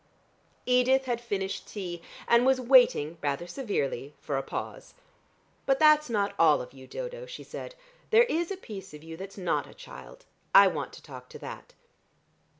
Edith had finished tea, and was waiting, rather severely, for a pause. "But that's not all of you, Dodo," she said; "there is a piece of you that's not a child. I want to talk to that."